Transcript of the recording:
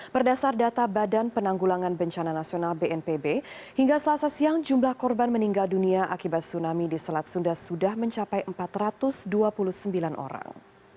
berdasar data badan penanggulangan bencana nasional bnpb hingga selasa siang jumlah korban meninggal dunia akibat tsunami di selat sunda sudah mencapai empat ratus dua puluh sembilan orang